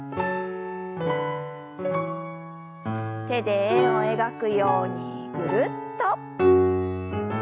手で円を描くようにぐるっと。